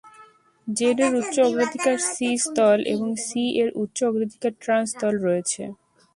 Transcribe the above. Z এর উচ্চ অগ্রাধিকার সিস দল এবং ই এর উচ্চ অগ্রাধিকার ট্রান্স দল রয়েছে।